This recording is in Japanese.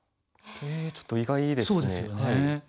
ええちょっと意外ですね。